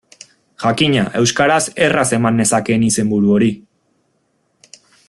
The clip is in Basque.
Jakina, euskaraz erraz eman nezakeen izenburu hori.